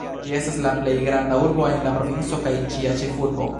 Ĝi estas la plej granda urbo en la provinco kaj ĝia ĉefurbo.